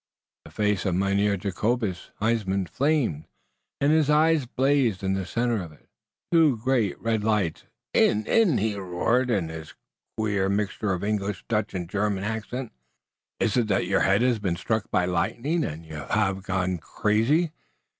The face of Mynheer Jacobus Huysman flamed, and his eyes blazed in the center of it, two great red lights. "Inn! Inn!" he roared in his queer mixture of English, Dutch and German accent "Iss it that your head hass been struck by lightning und you haf gone crazy?